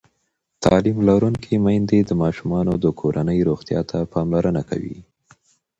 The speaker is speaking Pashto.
تعلیم لرونکې میندې د ماشومانو د کورنۍ روغتیا ته پاملرنه کوي.